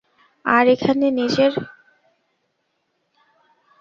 আর এখানে নিজের ডাইরি লিখবে।